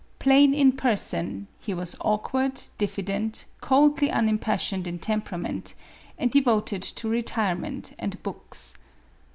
Plain in person, he was awkward, diffident, coldly unimpassioned in temperament, and devoted to retirement and books.